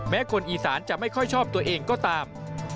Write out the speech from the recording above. คนอีสานจะไม่ค่อยชอบตัวเองก็ตาม